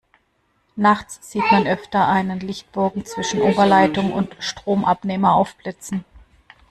Nachts sieht man öfter einen Lichtbogen zwischen Oberleitung und Stromabnehmer aufblitzen.